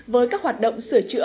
với các hoạt động sửa chữa